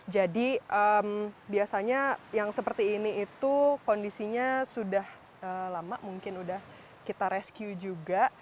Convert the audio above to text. jadi biasanya yang seperti ini itu kondisinya sudah lama mungkin sudah kita rescue juga